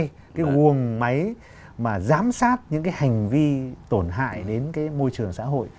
cái nguồn máy mà giám sát những cái hành vi tổn hại đến cái môi trường xã hội